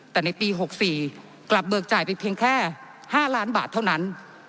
แต่ในปี๖๔กลับเบิกจ่ายไปเพียงแค่๕ล้านบาทเท่านั้น